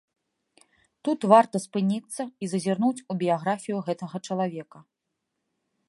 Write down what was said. Тут варта спыніцца і зазірнуць у біяграфію гэтага чалавека.